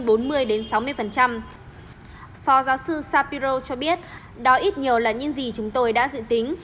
phó giáo sư sapiro cho biết đó ít nhiều là những gì chúng tôi đã dự tính